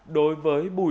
đối với bùi địa